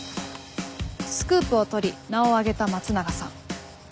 スクープを取り名を上げた松永さん。